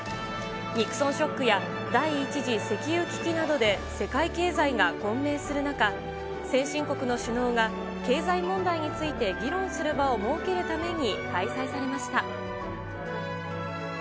ニクソン・ショックや、第一次石油危機などで世界経済が混迷する中、先進国の首脳が経済問題について議論する場を設けるために開催されました。